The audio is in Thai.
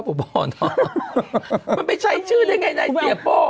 ผมมันไปใช้ชื่อได้ไงนายเสียโป้